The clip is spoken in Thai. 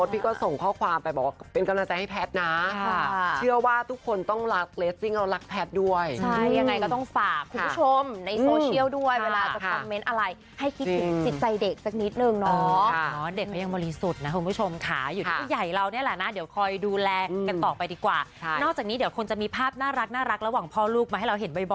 พี่ก็ส่งข้อความไปบอกว่ากำลังใจให้แพทย์น่ะค่ะค่ะเชื่อว่าทุกคนต้องรักเรดซิ่งเรารักแพทย์ด้วยใช่ยังไงก็ต้องฝากคุณผู้ชมในสโชชีัลด้วยเวลาก็ประเมนต์อะไรจริงให้คิดถึงจิตใจเด็กสักนิดหนึ่งน้องค่ะนะคะน้องเด็กเขายังบริสุทธิ์นะคุณผู้ชมขาอยู่ที่ใหญ่เราเนี่ยล่ะน่ะเดี